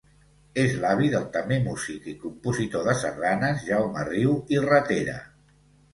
És l'avi del també músic i compositor de sardanes Jaume Riu i Ratera.